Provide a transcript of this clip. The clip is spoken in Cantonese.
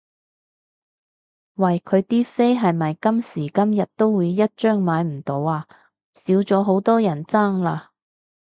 喂佢啲飛係咪今時今日都會一張買唔到啊？少咗好多人爭啦？